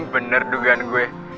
bener dugaan gue